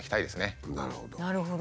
なるほど。